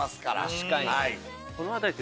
確かに。